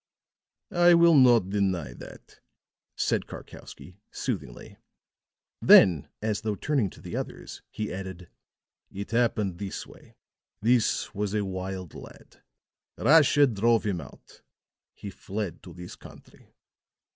"I will not deny that," said Karkowsky, soothingly. Then, as though turning to the others, he added: "It happened this way. This was a wild lad. Russia drove him out. He fled to this country.